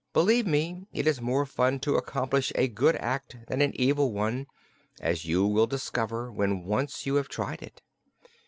Believe me, it is more fun to accomplish a good act than an evil one, as you will discover when once you have tried it."